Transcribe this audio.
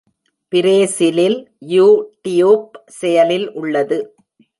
பிரேசிலில் YouTube செயலில் உள்ளது.